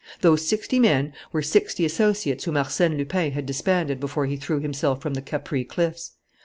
Those sixty men were sixty associates whom Arsène Lupin had disbanded before he threw himself from the Capri cliffs.